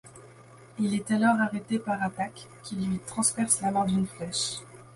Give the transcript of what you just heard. Il est alors arrêté par Atak qui lui transperce la main d'une flèche.